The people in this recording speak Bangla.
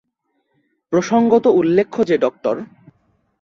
প্রসঙ্গত উল্লেখ্য যে ডঃ।